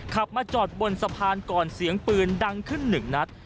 ขับมาจอดบนสะพานก่อนเสียงปืนดังขึ้นหนึ่งนัด